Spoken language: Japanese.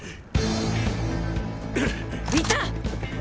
いた！